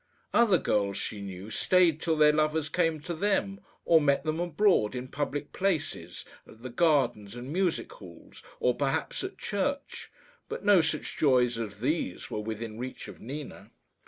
Other girls, she knew, stayed till their lovers came to them, or met them abroad in public places at the gardens and music halls, or perhaps at church; but no such joys as these were within reach of Nina.